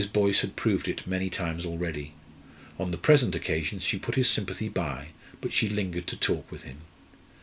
Boyce had proved it many times already. On the present occasion she put his sympathy by, but she lingered to talk with him.